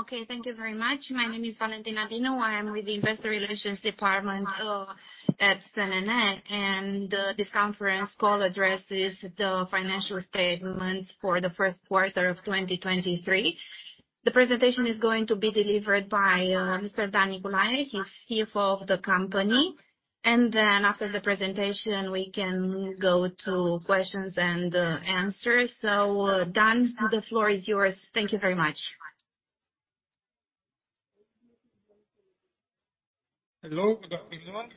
Okay, thank you very much. My name is Valentina Dinu. I am with the investor relations department at SEK. This conference call addresses the financial statements for the 1st quarter of 2023. The presentation is going to be delivered by Mr. Dan Niculaie-Faranga. He's CEO of the company. After the presentation, we can go to questions and answers. Dan, the floor is yours. Thank you very much. Hello. Good afternoon,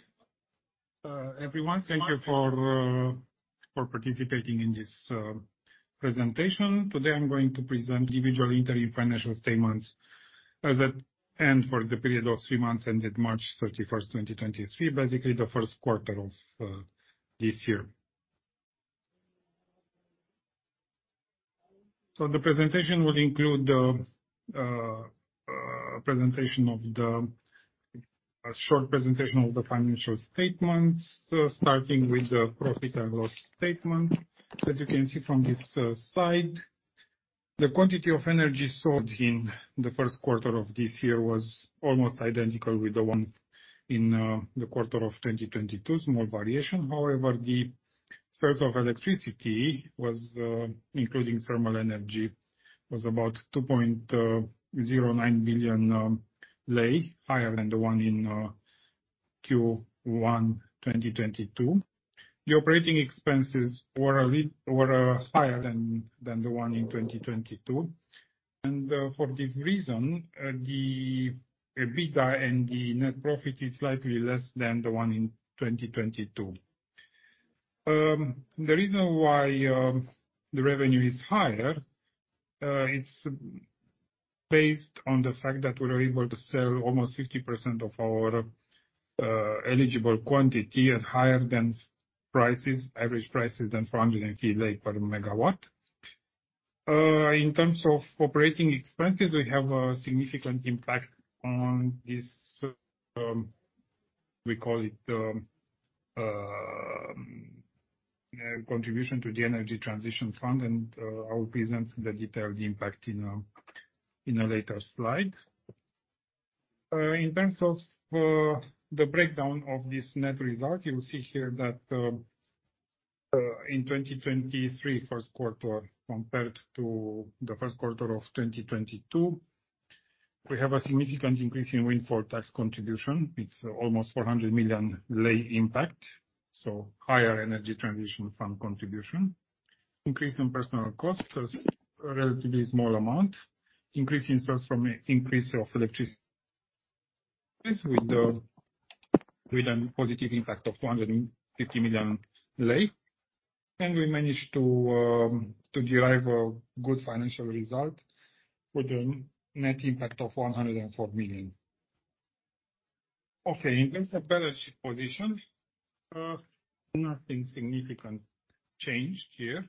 everyone. Thank you for participating in this presentation. Today, I'm going to present individual interim financial statements as at end for the period of three months ended March 31, 2023, basically the 1st quarter of this year. The presentation will include a presentation of the A short presentation of the financial statements, starting with the profit and loss statement. As you can see from this slide, the quantity of energy sold in the 1st quarter of this year was almost identical with the one in the quarter of 2022. Small variation. The sales of electricity was including thermal energy, was about 2.09 billion RON, higher than the one in Q1 2022. The operating expenses were higher than the one in 2022. For this reason, the EBITDA and the net profit is slightly less than the one in 2022. The reason why the revenue is higher, it's based on the fact that we were able to sell almost 50% of our eligible quantity at higher than prices, average prices than RON 450 per MW. In terms of operating expenses, we have a significant impact on this, we call it contribution to the Energy Transition Fund. I will present the detailed impact in a later slide. In terms of the breakdown of this net result, you'll see here that in 2023 1st quarter compared to the 1st quarter of 2022, we have a significant increase in windfall tax contribution. It's almost RON 400 million impact, higher Energy Transition Fund contribution. Increase in personal costs is a relatively small amount. Increase in sales from increase of electricity with a positive impact of RON 150 million. We managed to derive a good financial result with a net impact of RON 104 million. In terms of balance sheet position, nothing significant changed here.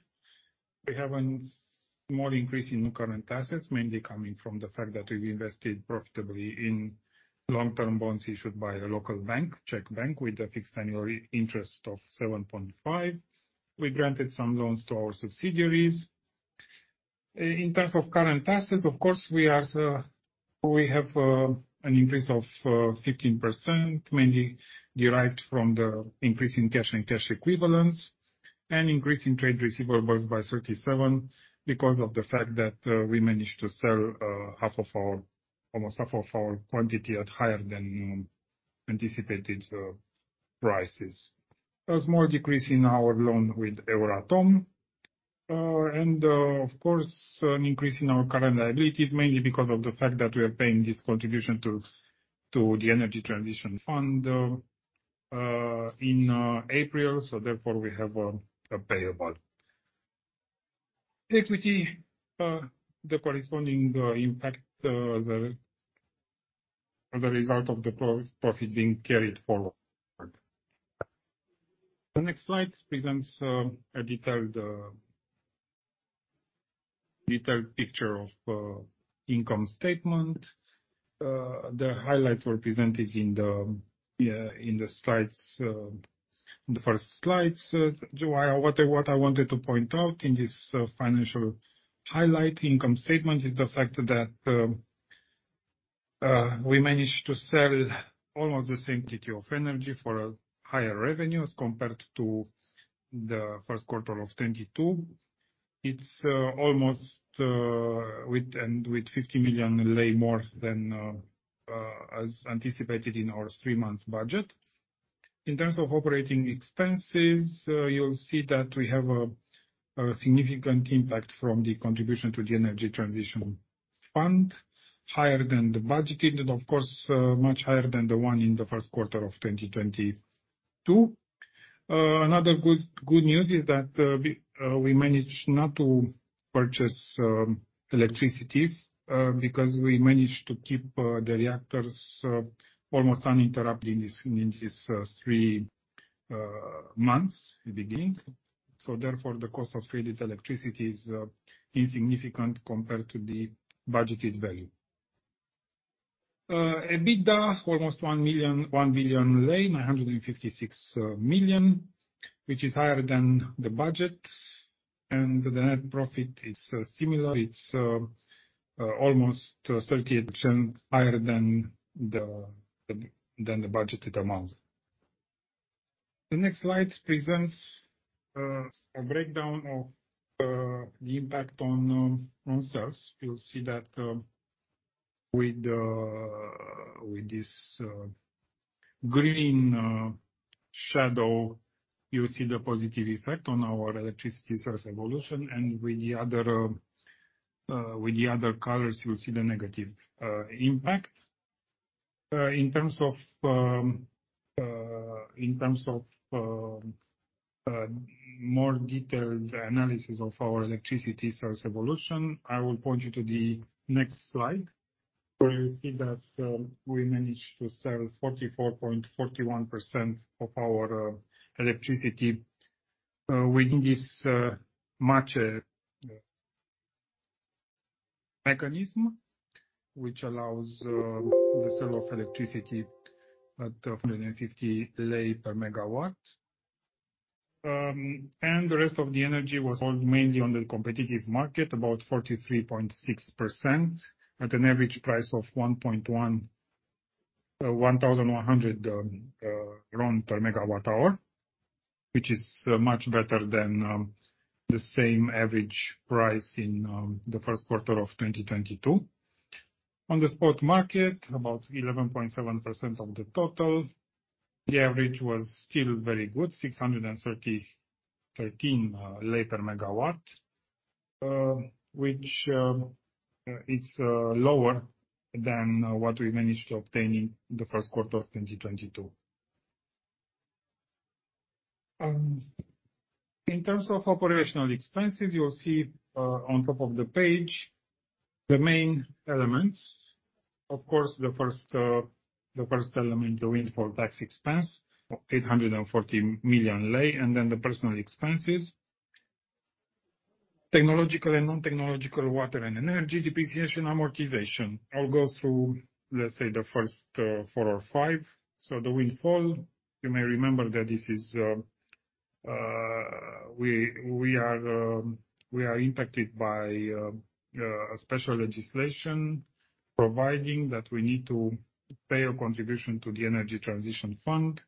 We have a small increase in current assets, mainly coming from the fact that we've invested profitably in long-term bonds issued by a local bank, CEC bank, with a fixed annual interest of 7.5%. We granted some loans to our subsidiaries. In terms of current assets, of course, we have an increase of 15%, mainly derived from the increase in cash and cash equivalents, and increase in trade receivables by 37% because of the fact that we managed to sell half of our, almost half of our quantity at higher than anticipated prices. A small decrease in our loan with Euratom. Of course, an increase in our current liabilities, mainly because of the fact that we are paying this contribution to the Energy Transition Fund in April, so therefore we have a payable. Equity, the corresponding impact, the result of the pro-profit being carried forward. The next slide presents a detailed picture of income statement. The highlights were presented in the slides, in the 1st slides. However, what I wanted to point out in this financial highlight income statement is the fact that we managed to sell almost the same quantity of energy for a higher revenues compared to the 1st quarter of 2022. It's almost with RON 50 million more than as anticipated in our 3-month budget. In terms of operating expenses, you'll see that we have a significant impact from the contribution to the Energy Transition Fund, higher than the budgeted, and of course, much higher than the one in the 1st quarter of 2022. Another good news is that we managed not to purchase electricity because we managed to keep the reactors almost uninterrupted in this three months beginning. Therefore, the cost of traded electricity is insignificant compared to the budgeted value. EBITDA almost RON 1 billion, RON 956 million, which is higher than the budget. The net profit is similar. It's almost 38% higher than the budgeted amount. The next slide presents a breakdown of the impact on sales. You'll see that with this green shadow, you'll see the positive effect on our electricity sales evolution. With the other colors, you'll see the negative impact. In terms of more detailed analysis of our electricity sales evolution, I will point you to the next slide, where you'll see that we managed to sell 44.41% of our electricity within this MACEE mechanism, which allows the sale of electricity at 250 RON per MW. The rest of the energy was sold mainly on the competitive market, about 43.6% at an average price of RON 1,100 per MW hour, which is much better than the same average price in the 1st quarter of 2022. On the spot market, about 11.7% of the total, the average was still very good, RON 613 per MW, which it's lower than what we managed to obtain in Q1 2022. In terms of OpEx, you'll see on top of the page, the main elements. Of course, the 1st element, the windfall tax expense, RON 840 million, and then the personal expenses. Technological and non-technological water and energy depreciation amortization. I'll go through, let's say, the 1st four or five. The windfall, you may remember that this is, we are impacted by a special legislation providing that we need to pay a contribution to the Energy Transition Fund.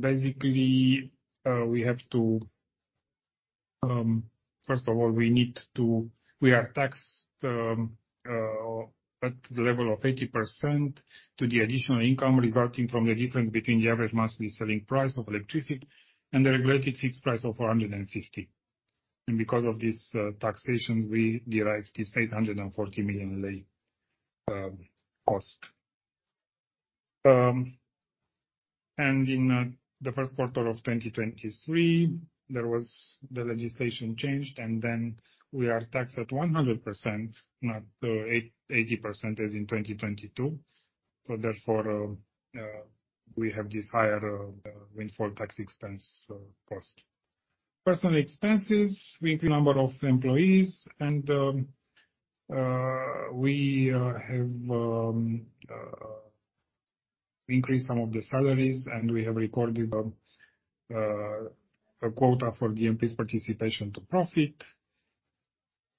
Basically, we have to, 1st of all, We are taxed at the level of 80% to the additional income resulting from the difference between the average monthly selling price of electricity and the regulated fixed price of RON 450. Because of this taxation, we derive this RON 840 million cost. In the 1st quarter of 2023, there was the legislation changed, then we are taxed at 100%, not 80% as in 2022. Therefore, we have this higher windfall tax expense cost. Personal expenses, weekly number of employees, we have increased some of the salaries, and we have recorded a quota for the employees' participation to profit.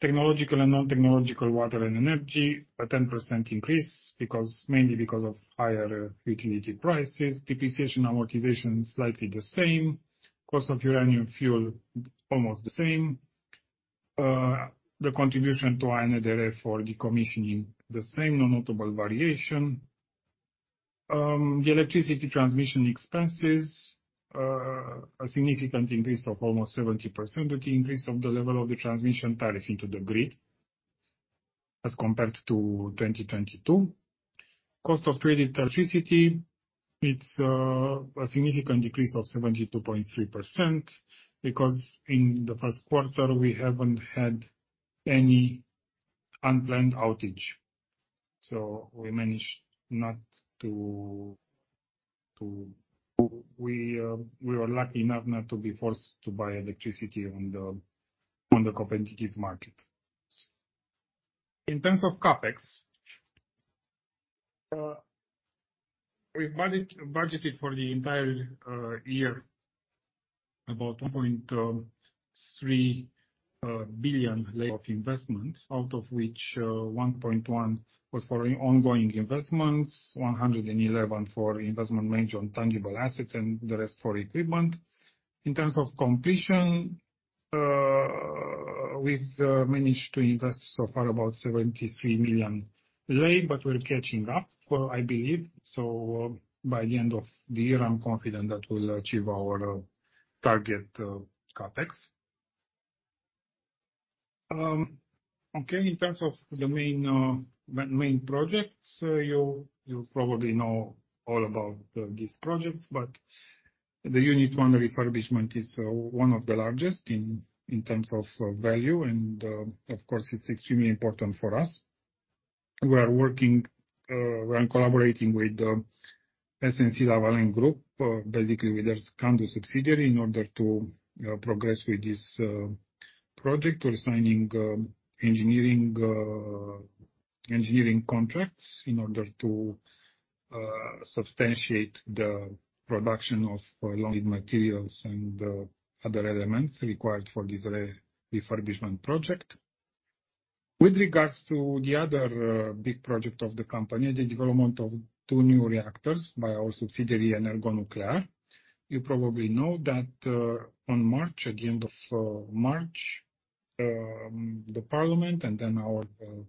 Technological and non-technological water and energy, a 10% increase because, mainly because of higher utility prices. Depreciation amortization, slightly the same. Cost of uranium fuel, almost the same. The contribution to ANRE for decommissioning, the same, no notable variation. The electricity transmission expenses, a significant increase of almost 70% with the increase of the level of the transmission tariff into the grid as compared to 2022. Cost of traded electricity, it's a significant decrease of 72.3% because in the 1st quarter, we haven't had any unplanned outage. We were lucky enough not to be forced to buy electricity on the competitive market. In terms of CapEx, we budgeted for the entire year about RON 1.3 billion of investment, out of which RON 1.1 billion was for ongoing investments, RON 111 million for investment made on tangible assets, and the rest for equipment. In terms of completion, we've managed to invest so far about RON 73 million, but we're catching up for, I believe. By the end of the year, I'm confident that we'll achieve our target CapEx. Okay, in terms of the main projects, you'll probably know all about these projects. The Unit 1 refurbishment is one of the largest in terms of value. Of course, it's extremely important for us. We are working, we are collaborating with SNC-Lavalin Group, basically with their Candu subsidiary in order to progress with this project. We're signing engineering contracts in order to substantiate the production of long lead materials and other elements required for this refurbishment project. With regards to the other big project of the company, the development of two new reactors by our subsidiary, EnergoNuclear. You probably know that on March, at the end of March, the parliament and then our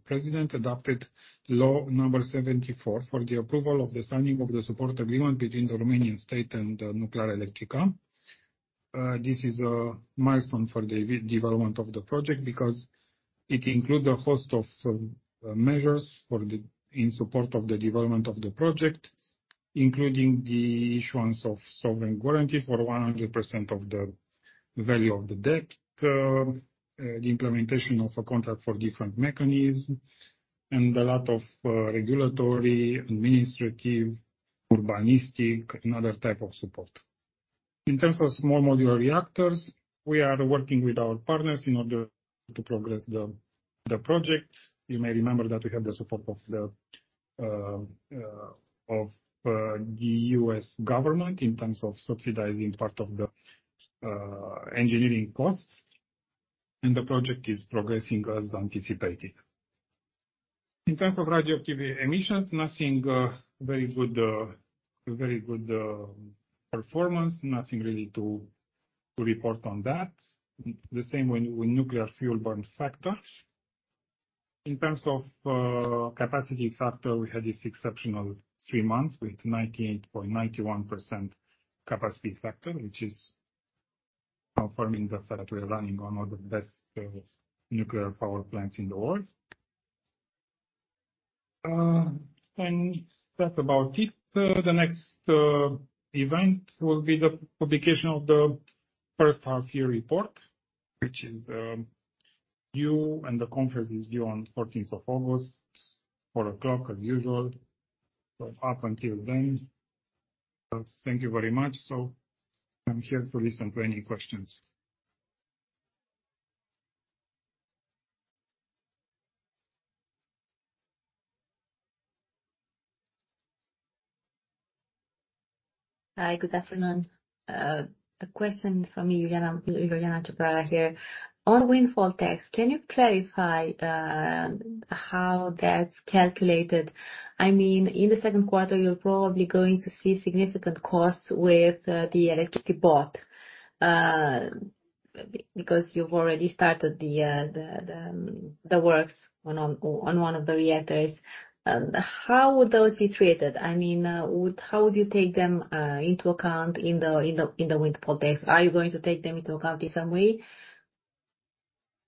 president adopted law number 74 for the approval of the signing of the support agreement between the Romanian state and Nuclearelectrica. This is a milestone for the development of the project because it includes a host of measures for the... In support of the development of the project, including the issuance of sovereign guarantees for 100% of the value of the debt, the implementation of a contract for difference mechanisms and a lot of regulatory, administrative, urbanistic and other type of support. In terms of small modular reactors, we are working with our partners in order to progress the projects. You may remember that we have the support of the U.S. government in terms of subsidizing part of the engineering costs. The project is progressing as anticipated. In terms of radioactivity emissions, nothing very good performance. Nothing really to report on that. The same with nuclear fuel burn up factor. In terms of capacity factor, we had this exceptional three months with 98.91% capacity factor, which is confirming the fact we are running on one of the best nuclear power plants in the world. And that's about it. The next event will be the publication of the 1st half-year report, which is due, and the conference is due on 14th of August, 4:00 P.M. as usual. Up until then, thank you very much. I'm here to listen to any questions. Hi, good afternoon. A question from Iuliana Cepara here. On windfall tax, can you clarify how that's calculated? I mean, in the 2nd quarter, you're probably going to see significant costs with the electricity bought because you've already started the works on one of the reactors. How would those be treated? I mean, How would you take them into account in the windfall tax? Are you going to take them into account in some way?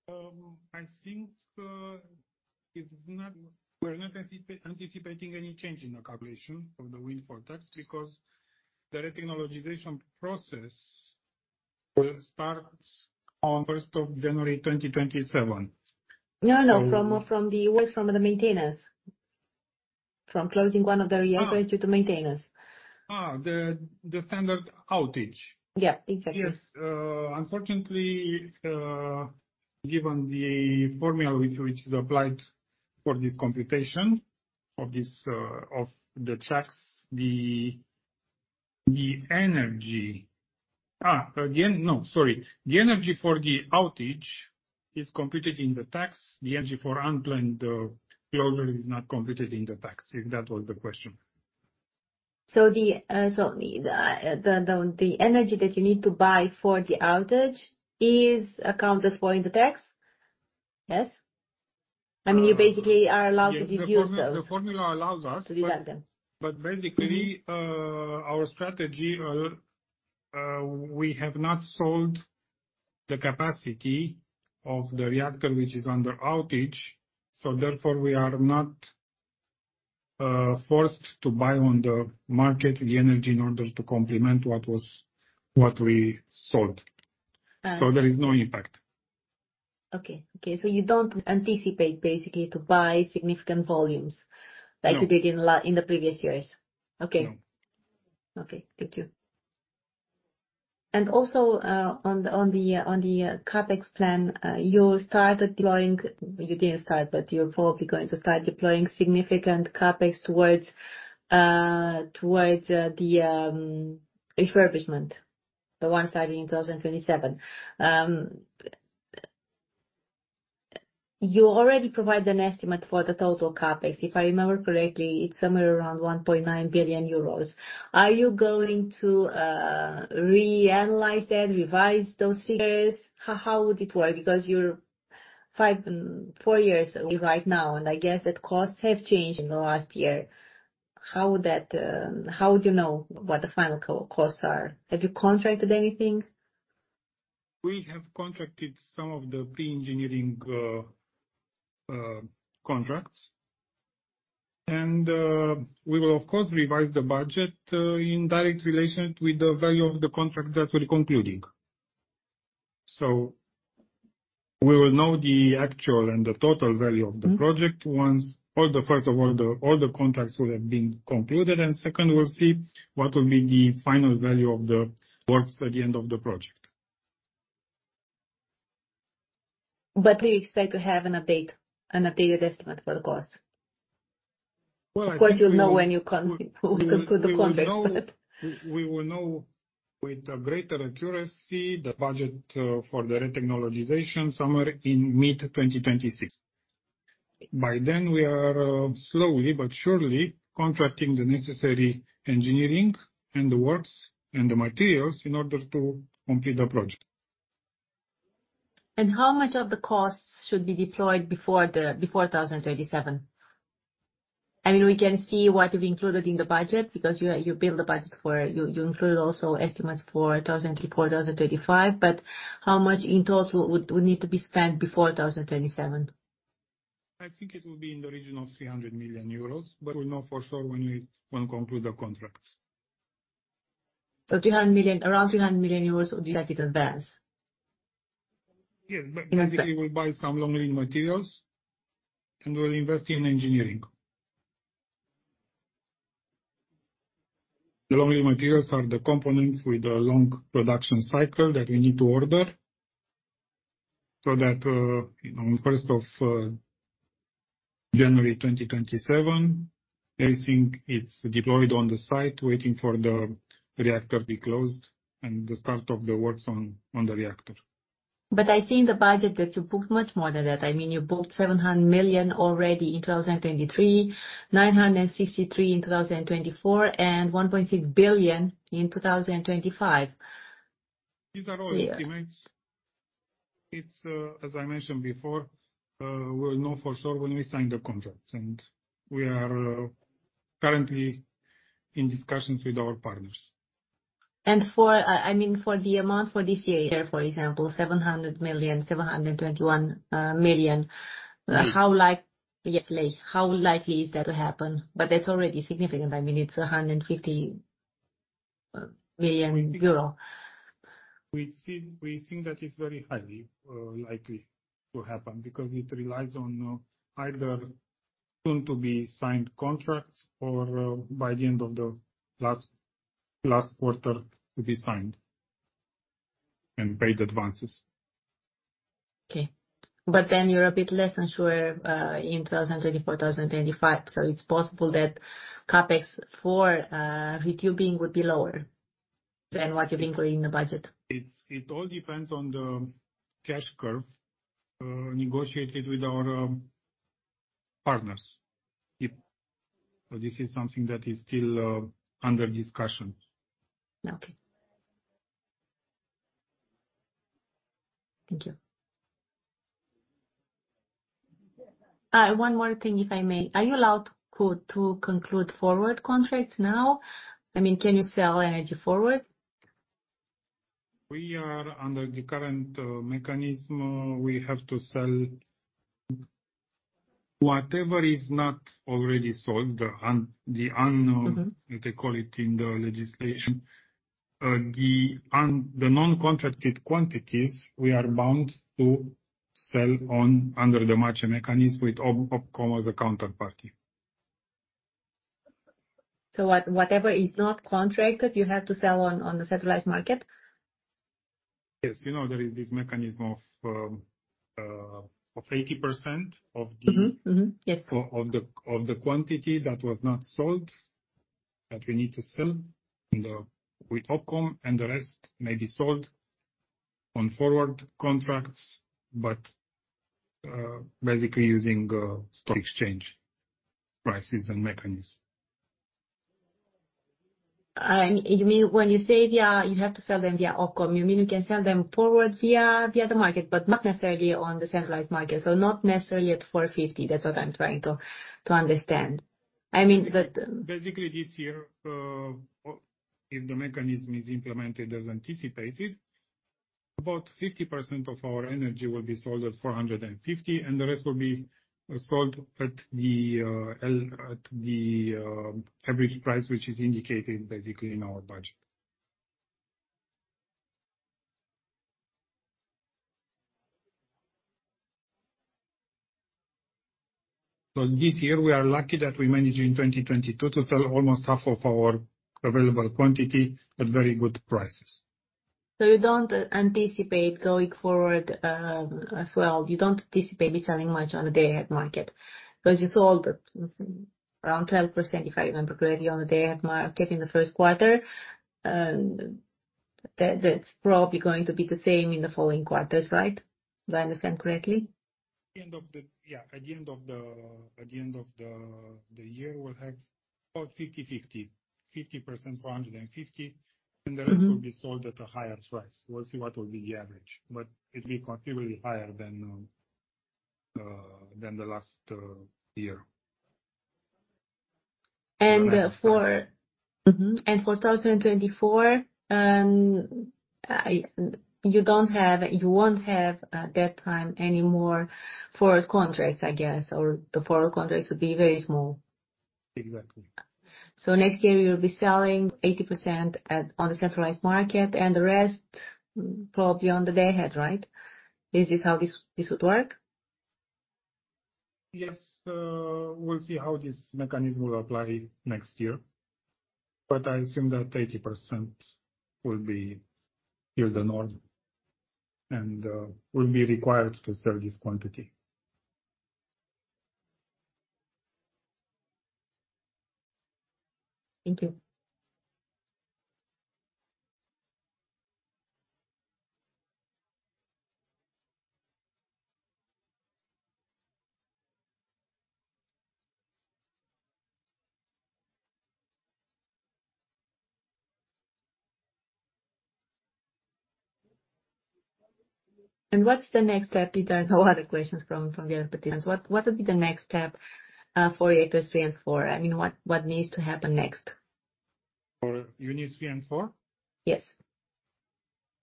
I think we're not anticipating any change in the calculation of the windfall tax because the retechnologization process will start on 1st of January, 2027. No, no. So- From the work from the maintenance. From closing one of the reactors- Ah. due to maintenance. The standard outage? Yeah, exactly. Yes. unfortunately, given the formula which is applied for this computation of this, of the tax. No, sorry. The energy for the outage is computed in the tax. The energy for unplanned closure is not computed in the tax, if that was the question. The energy that you need to buy for the outage is accounted for in the tax? Yes? Uh. I mean, you basically are allowed to use those. Yes. The formula allows us. To use that, then. Basically, our strategy, we have not sold the capacity of the reactor which is under outage. Therefore, we are not forced to buy on the market the energy in order to complement what was... What we sold. Uh- There is no impact. Okay. Okay. You don't anticipate basically to buy significant volumes- No. like you did in the previous years. Okay. No. Okay, thank you. Also, on the CapEx plan, you didn't start, but you're probably going to start deploying significant CapEx towards the refurbishment, the one starting in 2027. You already provided an estimate for the total CapEx. If I remember correctly, it's somewhere around 1.9 billion euros. Are you going to reanalyze that, revise those figures? How would it work? Because you're five, four years away right now, and I guess that costs have changed in the last year. How would that, how would you know what the final costs are? Have you contracted anything? We have contracted some of the pre-engineering contracts. We will of course revise the budget in direct relation with the value of the contract that we're concluding. We will know the actual and the total value of the project. Mm-hmm. once 1st of all the contracts will have been concluded, and 2nd, we'll see what will be the final value of the works at the end of the project. Do you expect to have an update, an updated estimate for the cost? Well, I think we. You'll know when you conclude the contract. We will know with a greater accuracy the budget for the retechnologization somewhere in mid-2026. Okay. We are slowly but surely contracting the necessary engineering and the works and the materials in order to complete the project. How much of the costs should be deployed before 2027? I mean, we can see what have you included in the budget because you build the budget for... You include also estimates for 2024, 2025, but how much in total would need to be spent before 2027? I think it will be in the region of 300 million euros, but we'll know for sure when we conclude the contracts. 300 million, around 300 million euros would be capital advance. Yes, basically. We will buy some long-lead materials. We'll invest in engineering. Long-lead materials are the components with a long production cycle that we need to order so that, you know, 1st of January 2027, everything it's deployed on the site waiting for the reactor be closed and the start of the works on the reactor. I see in the budget that you booked much more than that. I mean, you booked RON 700 million already in 2023, RON 963 million in 2024, and RON 1.6 billion in 2025. These are all estimates. It's, as I mentioned before, we'll know for sure when we sign the contracts, and we are currently in discussions with our partners. I mean, for the amount for this year, for example, RON 721 million. Mm. like... Yes, please. How likely is that to happen? That's already significant. I mean, it's 150 million euro. We think that it's very highly likely to happen because it relies on either soon to be signed contracts or by the end of the last quarter to be signed and paid advances. Okay. You're a bit less unsure in 2024, 2025. It's possible that CapEx for retubing would be lower than what you've included in the budget. It all depends on the cash curve, negotiated with our partners. If... This is something that is still under discussion. Okay. Thank you. One more thing, if I may. Are you allowed to conclude forward contracts now? I mean, can you sell energy forward? We are under the current mechanism. We have to sell whatever is not already sold, the unknown. Mm-hmm. They call it in the legislation. The non-contracted quantities, we are bound to sell on under the market mechanism with OPCOM as a counterparty. whatever is not contracted, you have to sell on the centralized market? Yes. You know, there is this mechanism of 80% of the- Mm-hmm. Mm-hmm. Yes. Of the quantity that was not sold, that we need to sell in the, with OPCOM, and the rest may be sold on forward contracts, but basically using stock exchange prices and mechanisms. You mean when you say via, you have to sell them via OPCOM, you mean you can sell them forward via the market, but not necessarily on the centralized market, so not necessarily at RON 450. That's what I'm trying to understand. I mean. Basically, this year, if the mechanism is implemented as anticipated, about 50% of our energy will be sold at RON 450, and the rest will be sold at the average price, which is indicated basically in our budget. This year we are lucky that we managed in 2022 to sell almost half of our available quantity at very good prices. You don't anticipate going forward, as well, you don't anticipate be selling much on the day-ahead market. You sold around 12%, if I remember correctly, on the day-ahead market in the 1st quarter. That's probably going to be the same in the following quarters, right? Do I understand correctly? At the end of the year, we'll have about 50/50. 50% RON 450- Mm-hmm. The rest will be sold at a higher price. We'll see what will be the average, but it'll be considerably higher than the last year. And, uh, for-Mm-hmm. For 2024, you won't have, at that time, any more forward contracts, I guess, or the forward contracts would be very small. Exactly. Next year you'll be selling 80% on the centralized market and the rest probably on the day-ahead market, right? Is this how this would work? Yes. We'll see how this mechanism will apply next year, but I assume that 80% will be here to north, and we'll be required to serve this quantity. Thank you. What's the next step, Peter? No other questions from the other participants. What would be the next step for unit three and four? I mean, what needs to happen next? For unit 3 and 4? Yes.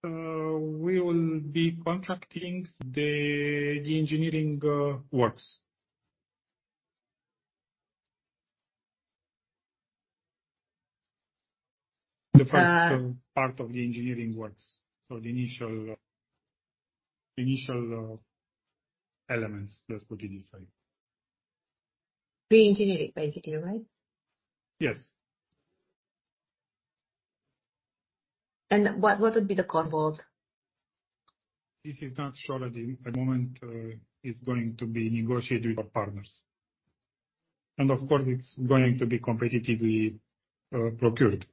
We will be contracting the engineering works. Uh- -part of the engineering works. The initial elements, let's put it this way. Re-engineering basically, right? Yes. What would be the cost involved? This is not sure at the moment. It's going to be negotiated with our partners. Of course it's going to be competitively procured.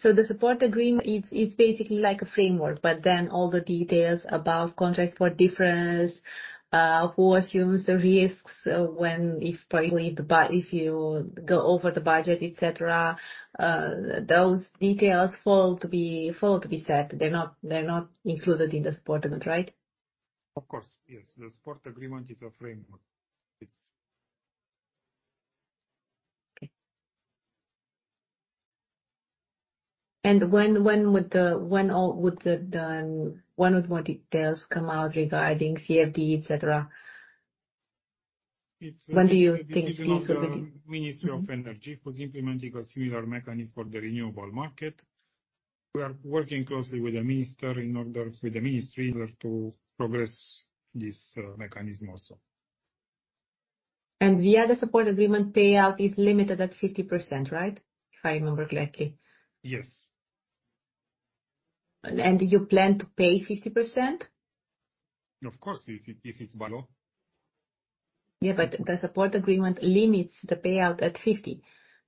The Support Agreement is basically like a framework, but then all the details about contract for difference, who assumes the risks, when... If probably if you go over the budget, etc. Those details fall to be set. They're not included in the Support Agreement, right? Of course. Yes. The support agreement is a framework. It's... When would more details come out regarding CFD, etc.? It's- When do you think these would be? the decision of the Ministry of Energy, who's implementing a similar mechanism for the renewable market. We are working closely with the ministry in order to progress this mechanism also. Via the support agreement, payout is limited at 50%, right? If I remember correctly. Yes. Do you plan to pay 50%? Of course, if it's valid. Yeah, the support agreement limits the payout at 50%.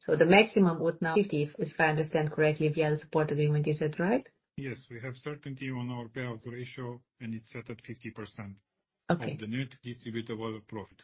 The maximum would now 50%, if I understand correctly, via the support agreement. Is that right? Yes. We have certainty on our payout ratio, and it's set at 50%. Okay. Of the net distributable profit.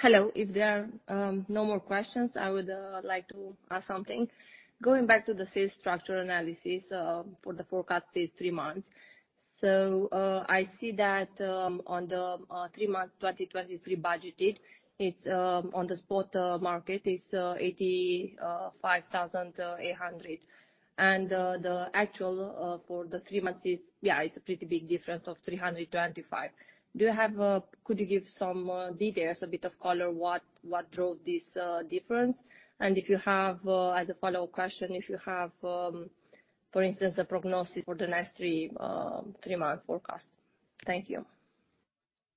Okay. Hello. If there are no more questions, I would like to ask something. Going back to the sales structure analysis for the forecast these three months. I see that on the three month 2023 budgeted, it's on the spot market, it's 85,800. The actual for the three months is... Yeah, it's a pretty big difference of 325. Do you have, could you give some details, a bit of color, what drove this difference? If you have, as a follow-up question, if you have, for instance, a prognosis for the next three-month forecast? Thank you.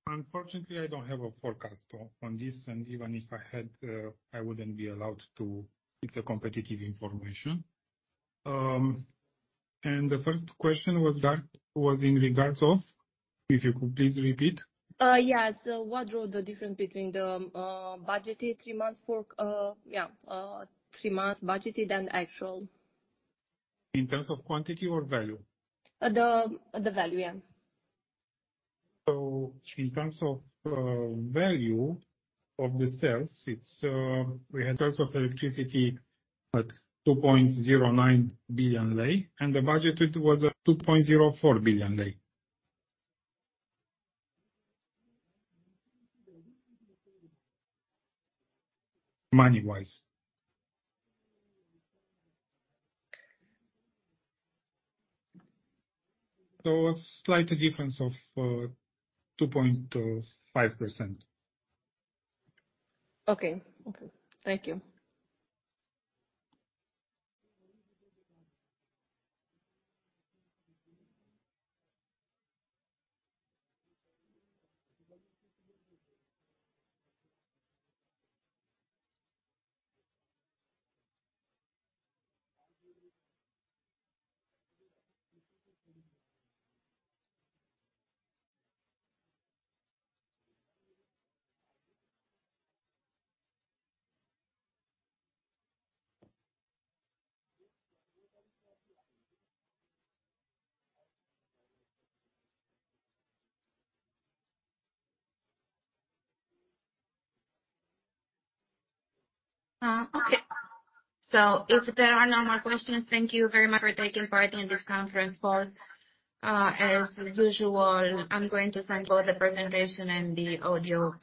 Unfortunately, I don't have a forecast on this, even if I had, I wouldn't be allowed to. It's a competitive information. The 1st question was that, was in regards of? If you could please repeat. Yes. What drove the difference between the budgeted three months for three months budgeted and actual? In terms of quantity or value? The value, yeah. In terms of value of the sales, we had sales of electricity at RON 2.09 billion, and the budgeted was at RON 2.04 billion. Money-wise. A slight difference of 2.5%. Okay. Okay. Thank you. Okay. If there are no more questions, thank you very much for taking part in this conference call. As usual, I'm going to send you all the presentation and the audio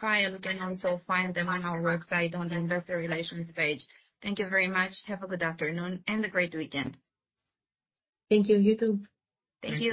file. You can also find them on our website on the investor relations page. Thank you very much. Have a good afternoon and a great weekend. Thank you. You too. Thank you.